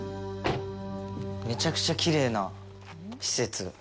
めちゃくちゃきれいな施設。